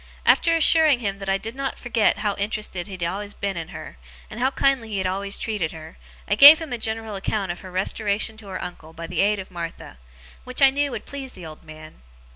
After assuring him that I did not forget how interested he had always been in her, and how kindly he had always treated her, I gave him a general account of her restoration to her uncle by the aid of Martha; which I knew would please the old man.